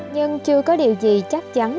nhưng chưa có điều gì chắc chắn